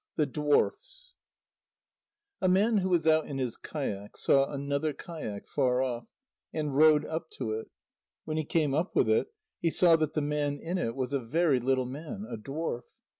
THE DWARFS A man who was out in his kayak saw another kayak far off, and rowed up to it. When he came up with it, he saw that the man in it was a very little man, a dwarf.